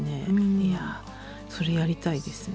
いやぁそれやりたいですね。